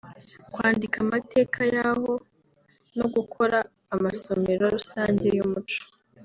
kwandika amateka yaho no gukora amasomero rusange y’umuco